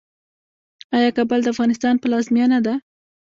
آیا کابل د افغانستان پلازمینه ده؟